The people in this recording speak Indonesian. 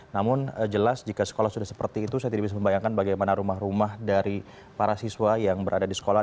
namun jelas jika sekolah sudah seperti itu saya tidak bisa membayangkan bagaimana rumah rumah dari para siswa yang berada di sekolah